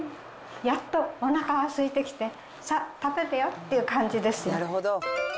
やっとおなかがすいてきて、さあ、食べるよっていう感じです。